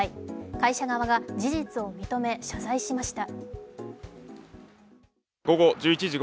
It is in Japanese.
会社側が事実を認め、謝罪しました。